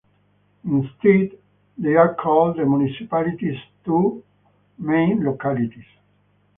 Instead they are called the municipality's two "main localities".